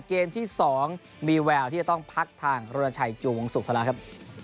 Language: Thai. เกมที่๒มีแววที่จะต้องพักทางโรนาชัยจุงวงศุกรศละครับ